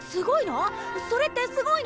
それってすごいの？